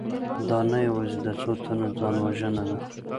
دا نه یوازې د څو تنو ځانوژنه ده